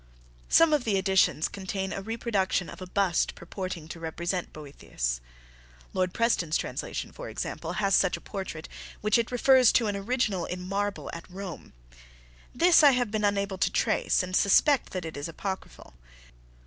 Some of the editions contain a reproduction of a bust purporting to represent Boethius. Lord Preston's translation, for example, has such a portrait, which it refers to an original in marble at Rome. This I have been unable to trace, and suspect that it is apocryphal.